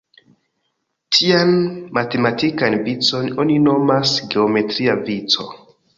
Tian matematikan vicon oni nomas geometria vico.